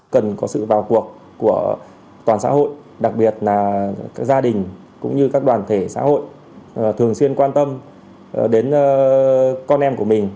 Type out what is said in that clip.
cần có sự vào cuộc của toàn xã hội đặc biệt là các gia đình cũng như các đoàn thể xã hội thường xuyên quan tâm đến con em của mình